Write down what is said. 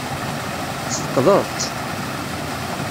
Tesfeqdeḍ-tt?